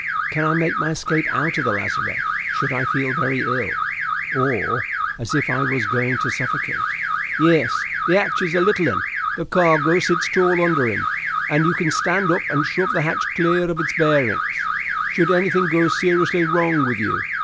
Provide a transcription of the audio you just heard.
"Can I make my escape out of the lazarette should I feel very ill, or as if I was going to suffocate?" "Yes, the hatch is a little un. The cargo sits tall under him, and you can stand up and shove the hatch clear of its bearings should anything go seriously wrong with you.